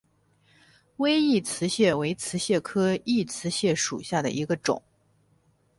微异瓷蟹为瓷蟹科异瓷蟹属下的一个种。